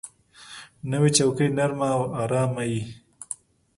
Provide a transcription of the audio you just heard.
نوې چوکۍ نرمه او آرامه وي